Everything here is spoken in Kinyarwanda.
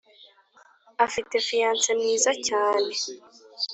afite fiance mwiza cyane